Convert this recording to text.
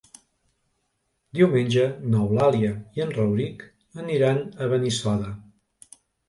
Diumenge n'Eulàlia i en Rauric aniran a Benissoda.